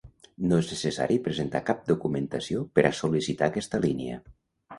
No és necessari presentar cap documentació per a sol·licitar aquesta línia.